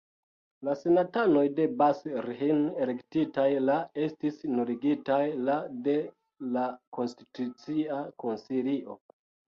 La senatanoj de Bas-Rhin elektitaj la estis nuligitaj la de la Konstitucia Konsilio.